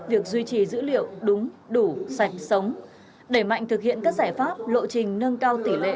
việc duy trì dữ liệu đúng đủ sạch sống đẩy mạnh thực hiện các giải pháp lộ trình nâng cao tỷ lệ